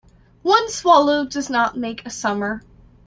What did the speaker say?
One swallow does not make a summer.